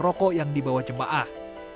rokok yang dibawa jemaah